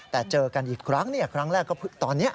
แต่เจอกันอีกครั้งครั้งแรกก็ตอนนี้